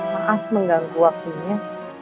maaf mengganggu waktunya